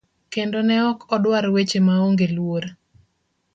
kendo ne okodwar weche maonge luor.